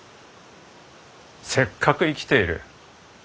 せっかく生きている。